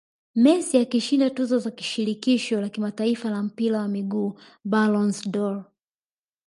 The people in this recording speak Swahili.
Messi akishinda tuzo za shirikisho la kimataifa la mpira wa miguu Ballons dOr